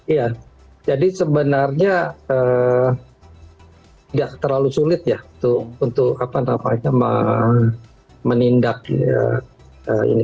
iya jadi sebenarnya tidak terlalu sulit ya untuk menindak ini